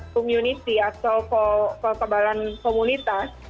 community atau ketebalan komunitas